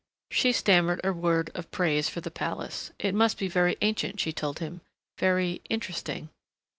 She stammered a word of praise for the palace. It must be very ancient, she told him. Very interesting.